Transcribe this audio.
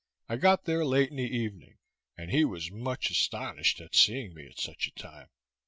I got there late in the evening, and he was much astonished at seeing me at such a time.